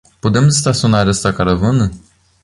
Podemos estacionar esta caravana?